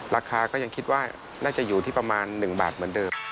ราคาก็ยังคิดว่าน่าจะอยู่ที่ประมาณ๑บาทเหมือนเดิม